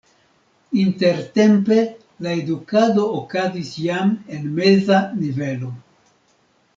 Intertempe la edukado okazis jam en meza nivelo.